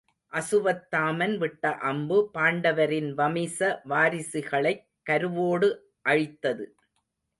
அசுவத்தாமன் விட்ட அம்பு பாண்டவரின் வமிச வாரிசுகளைக் கருவோடு அழித்தது.